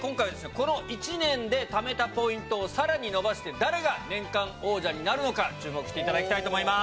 この１年でためたポイントをさらに伸ばして誰が年間王者になるのか注目して頂きたいと思います。